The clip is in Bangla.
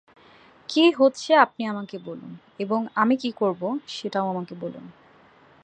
কী হচ্ছে আপনি আমাকে বলুন, এবং আমি কী করব, সেটা আমাকে বলুন।